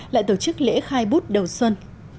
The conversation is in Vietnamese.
lại tổ chức lễ khai bút đầu xuân